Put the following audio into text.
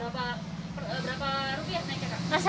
berapa rupiah naiknya